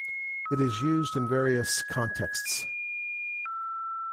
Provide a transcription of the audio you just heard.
It is used in various contexts.